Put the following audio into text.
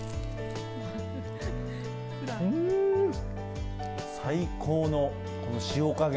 うーん！最高のこの塩加減。